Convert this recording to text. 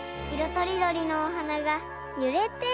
とりどりのおはながゆれています。